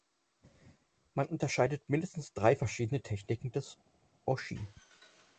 Man unterscheidet mindestens drei verschiedene Techniken des Occhi.